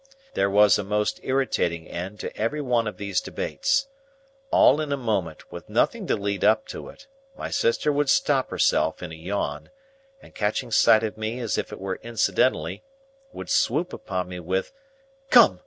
There was a most irritating end to every one of these debates. All in a moment, with nothing to lead up to it, my sister would stop herself in a yawn, and catching sight of me as it were incidentally, would swoop upon me with, "Come!